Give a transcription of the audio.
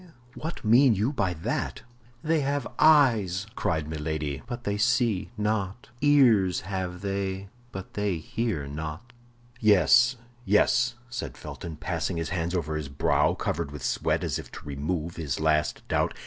what mean you by that?" "They have eyes," cried Milady, "but they see not; ears have they, but they hear not." "Yes, yes!" said Felton, passing his hands over his brow, covered with sweat, as if to remove his last doubt.